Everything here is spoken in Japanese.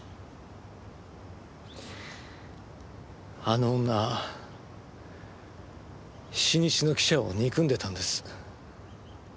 あの女新日の記者を憎んでいたんです。